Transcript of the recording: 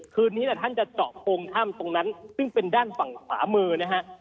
คืนนี้ท่านจะเจาะโพงถ้ำตรงนั้นซึ่งเป็นด้านฝั่งขวามือนะฮะ